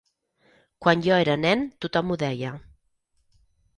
Quan jo era nen tothom ho deia.